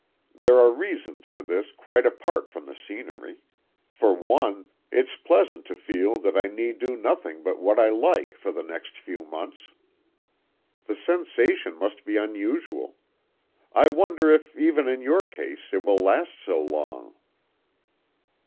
There are reasons for this quite apart from the scenery: for one, it's pleasant to feel that I need do nothing but what I like for the next few months." "The sensation must be unusual. I wonder if, even in your case, it will last so long."